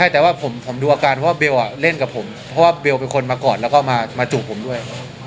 แต่ว่าผมดูอาการเราเล่นกับผมเพราะว่าเบลมีคนมากอดแล้วก็มามันจุบผมด้วย